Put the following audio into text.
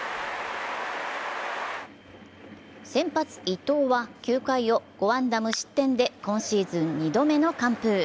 先発・伊藤は９回を５安打無失点で今シーズン２度目の完封。